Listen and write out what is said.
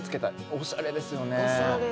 おしゃれですよね。